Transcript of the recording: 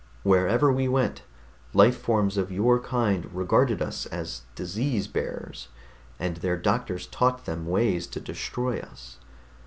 Wherever we went, life forms of your kind regarded us as disease bearers, and their doctors taught them ways to destroy us.